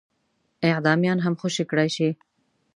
اعدامیان هم خوشي کړای شي.